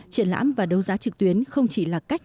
triển lãm và đấu giá trực tuyến không chỉ là cách